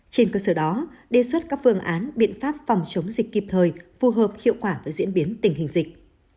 trên cơ sở đó đề xuất các phương án biện pháp phòng chống dịch kịp thời phù hợp hiệu quả với diễn biến tình hình dịch